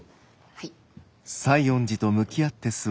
はい。